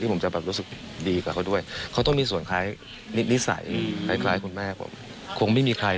เฮ้ยให้สัมภาษณ์แบบนี้เลย